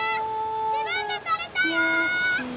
自分で取れたよ！